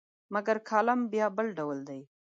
مګر کالم بیا بل ډول دی.